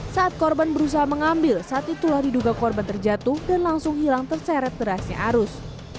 saat korban berusaha mengambil saat itulah diduga korban terjatuh dan langsung hilang terseret derasnya arus